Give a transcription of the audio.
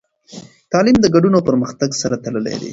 تعلیم د ګډون او پرمختګ سره تړلی دی.